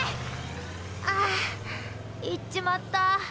ああ行っちまった。